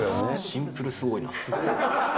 シンプルすごいな。